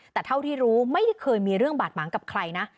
แต่เท่าที่รู้ไม่ได้เคยมีเรื่องบาดหมางกับใครนะ